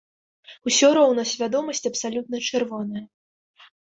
Усё роўна свядомасць абсалютна чырвоная.